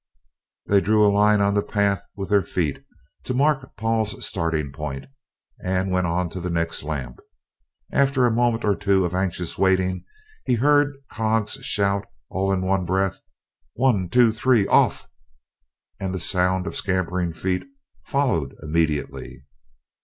They drew a line on the path with their feet to mark Paul's starting point, and went on to the next lamp. After a moment or two of anxious waiting he heard Coggs shout, all in one breath, "One two three off!" and the sound of scampering feet followed immediately.